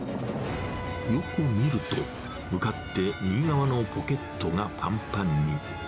よく見ると、向かって右側のポケットがぱんぱんに。